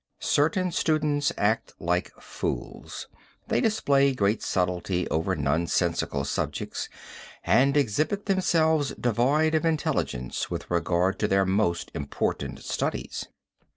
"Certain students act like fools; they display great subtility over nonsensical subjects and exhibit themselves devoid of intelligence with regard to their most important studies.